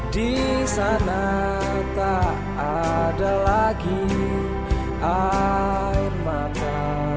di sana tak ada lagi air mata